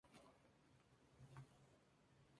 Todas somos creadoras